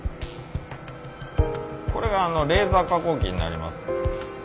これがレーザー加工機になります。